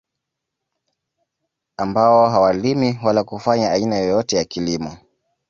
Ambao hawalimi wala kufanya aina yeyote ya kilimo